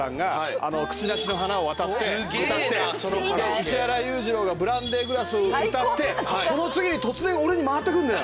石原裕次郎が『ブランデーグラス』を歌ってその次に突然俺に回ってくるのよ。